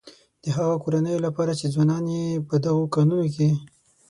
د هغه کورنيو لپاره چې ځوانان يې په دغه کانونو کې.